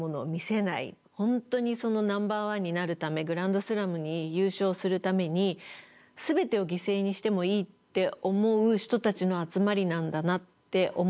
本当にナンバーワンになるためグランドスラムに優勝するために全てを犠牲にしてもいいって思う人たちの集まりなんだなって思う世界でしたね。